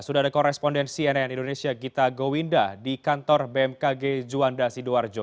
sudah ada korespondensi nn indonesia gita gowinda di kantor bmkg juanda sidoarjo